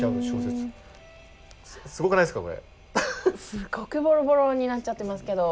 すごくボロボロになっちゃってますけど。